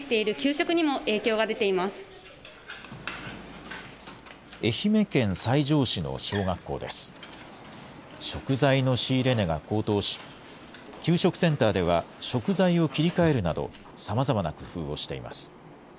食材の仕入れ値が高騰し、給食センターでは、食材を切り替えるなど、さまざまな工夫をしています。